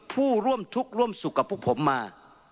ผู้ร่วมทุกข์ร่วมสุขกับพวกผมมา